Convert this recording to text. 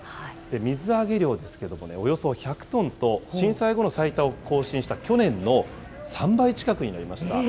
水揚げ量ですけれども、およそ１００トンと、震災後の最多を更新した去年の３倍近くになりました。